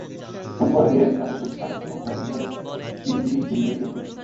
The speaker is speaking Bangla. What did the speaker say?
ফুটবল রেডস তাদের অধিকাংশ হোম ম্যাচ ক্রসলি ফিল্ডে খেলত।